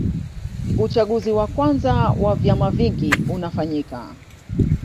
Uchaguzi wa kwanza wa vyama vingi unafanyika